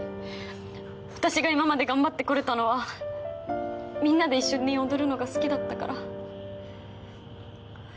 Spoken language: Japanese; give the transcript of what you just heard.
私が今まで頑張ってこれたのはみんなで一緒に踊るのが好きだったから。